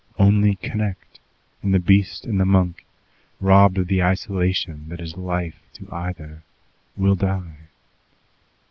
Only connect, and the beast and the monk, robbed of the isolation that is life to either, will die.